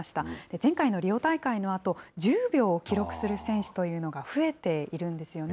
前回のリオ大会のあと、１０秒を記録する選手というのが増えているんですよね。